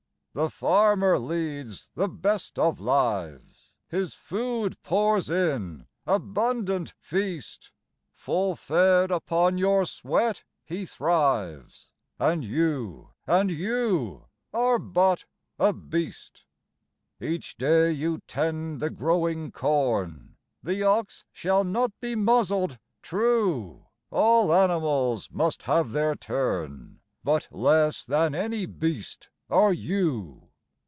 The farmer leads the best of lives, His food pours in: abundant feast; Full fed upon your sweat he thrives; And you and you are but a beast! Each day you tend the growing corn, 'The ox shall not be muzzled' True! All animals must have their turn; But less than any beast are you!